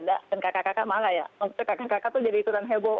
dan kakak kakak malah ya maksudnya kakak kakak tuh jadi turan heboh